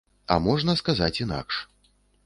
А можна сказаць інакш.